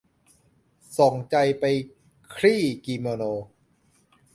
ส่งใจไปคลี่กิโมโน